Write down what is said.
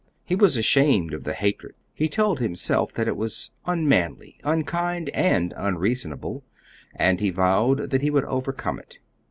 He was ashamed of the hatred. He told himself that it was unmanly, unkind, and unreasonable; and he vowed that he would overcome it.